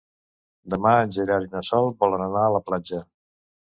Demà en Gerard i na Sol volen anar a la platja.